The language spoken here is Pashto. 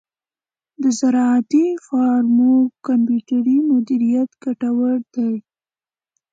د زراعتی فارمو کمپیوټري مدیریت ګټور دی.